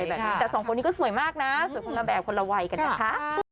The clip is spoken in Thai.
แต่สองคนนี้ก็สวยมากนะสวยคนละแบบคนละวัยกันนะคะ